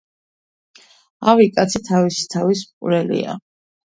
ავი კაცი თავისი თავის მკვლელია